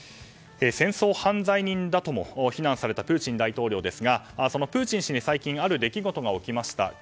戦争犯罪人とも称されたプーチン氏ですがそのプーチン氏に最近ある出来事が起きました。